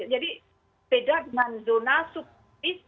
jadi beda dengan zona subtopis